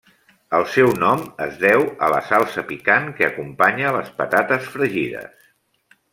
El seu nom es deu a la salsa picant que acompanya les patates fregides.